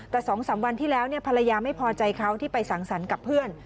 แต่๒๓วันที่แล้วภรรยาไม่พอใจเขาที่ไปสั่งสรรค์กับเพื่อน